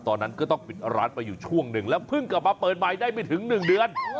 ตอนนั้นก็ต้องปิดร้านไปอยู่ช่วงหนึ่งแล้วเพิ่งกลับมาเปิดใหม่ได้ไม่ถึง๑เดือน